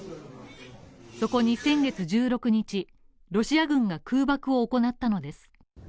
そこに先月１６日ロシア軍が空爆を行ったのです。